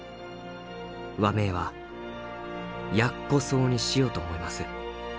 「和名は『ヤッコソウ』にしようと思います」。